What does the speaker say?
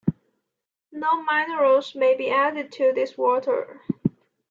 No minerals may be added to this water.